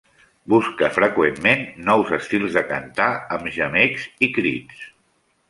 Busca freqüentment nous estils de cantar, amb gemecs i crits.